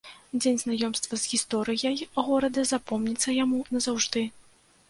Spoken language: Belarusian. Дзень знаёмства з гісторыяй горада запомніцца яму назаўжды.